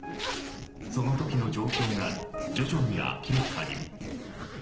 その時の状況が徐々に明らかに。